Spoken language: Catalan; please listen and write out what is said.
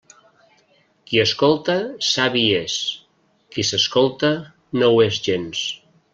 Qui escolta, savi és; qui s'escolta, no ho és gens.